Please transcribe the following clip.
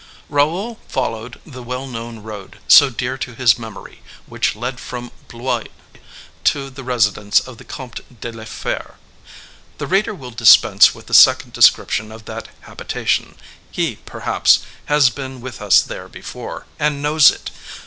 Raoul followed the well known road, so dear to his memory, which led from Blois to the residence of the Comte de la Fere. The reader will dispense with a second description of that habitation: he, perhaps, has been with us there before, and knows it.